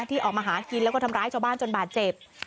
ที่ออกมาหากินแล้วก็ทำร้ายงรบมาจนบาทเจ็บอยู่ในตำบลบริบูรณ์